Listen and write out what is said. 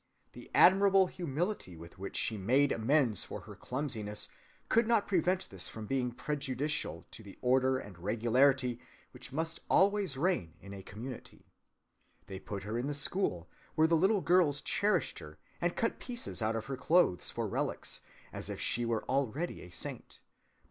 The admirable humility with which she made amends for her clumsiness could not prevent this from being prejudicial to the order and regularity which must always reign in a community. They put her in the school, where the little girls cherished her, and cut pieces out of her clothes [for relics] as if she were already a saint, but where she was too absorbed inwardly to pay the necessary attention.